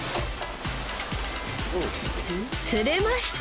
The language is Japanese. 釣れました！